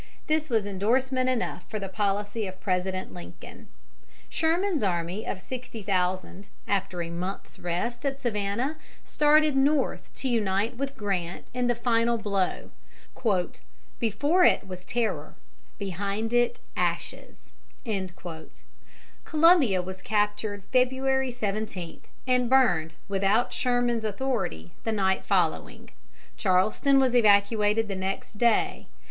This was endorsement enough for the policy of President Lincoln. Sherman's army of sixty thousand, after a month's rest at Savannah, started north to unite with Grant in the final blow. "Before it was terror, behind it ashes." Columbia was captured February 17, and burned, without Sherman's authority, the night following. Charleston was evacuated the next day.